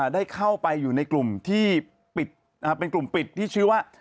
ได้เข้าไปอยู่ในกลุ่มที่ปิดเป็นกลุ่มปิดที่ชื่อว่า